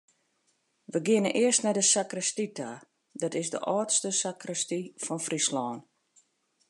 We geane earst nei de sakristy ta, dat is de âldste sakristy fan Fryslân.